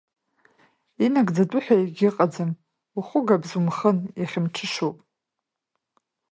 Инагӡатәу ҳәа егьыҟаӡам, ухәгабз умхын, иахьа мҽышоуп.